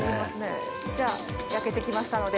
じゃあ焼けて来ましたので。